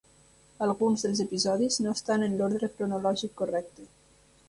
Alguns dels episodis no estan en l'ordre cronològic correcte.